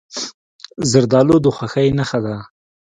زردالو د خوښۍ نښه ده.